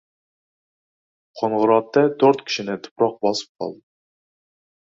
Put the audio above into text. Qo‘ng‘irotda to‘rt kishini tuproq bosib qoldi